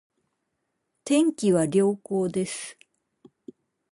天気は良好です